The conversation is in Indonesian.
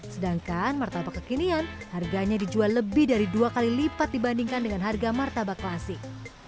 sedangkan martabak kekinian harganya dijual lebih dari dua kali lipat dibandingkan dengan harga martabak klasik